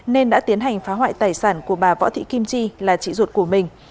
nên đã tiến hành phá hoại tài sản của bà võ thị kim chi là chị ruột của mình